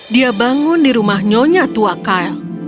dia bangun di rumah nyonya tua kale